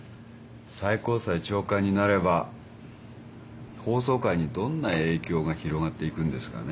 最高裁長官になれば法曹界にどんな影響が広がっていくんですかね。